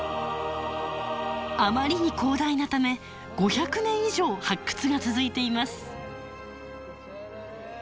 あまりに広大なため５００年以上発掘が続いています。